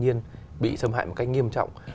thiên nhiên bị xâm hại một cách nghiêm trọng